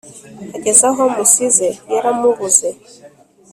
ageze aho amusize yaramubuze